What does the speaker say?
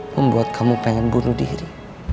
membuat kamu pengen bunuh diri